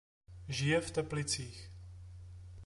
Žije v Teplicích.